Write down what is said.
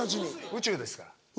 宇宙ですから。